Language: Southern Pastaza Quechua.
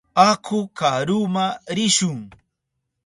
Aku karuma rishun.